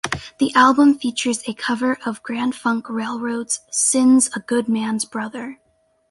The album features a cover of Grand Funk Railroad's "Sin's a Good Man's Brother".